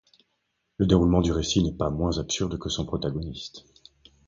Le déroulement du récit n'est pas moins absurde que son protagoniste.